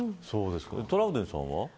トラウデンさんは。